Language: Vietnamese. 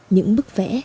những bức vẽ